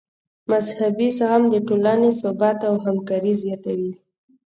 مذهبي زغم د ټولنې ثبات او همکاري زیاتوي.